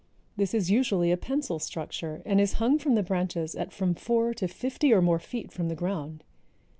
This is usually a pensil structure and is hung from the branches at from four to fifty or more feet from the ground.